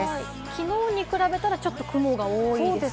きのうに比べたら、ちょっと雲が多いですかね。